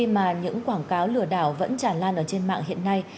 mà những quảng cáo lừa đảo vẫn tràn lan ở trên mạng hiện nay